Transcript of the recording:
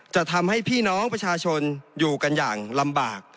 จะทำให้พี่น้องประชาชนอยู่กันอย่างลำบาก